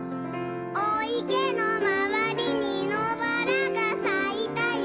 「おいけのまわりにのばらがさいたよ」